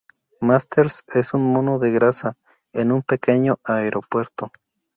Masters es un mono de grasa en un pequeño aeropuerto.